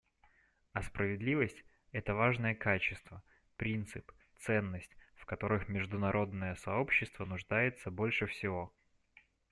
А справедливость — это важное качество, принцип, ценность, в которых международное сообщество нуждается больше всего.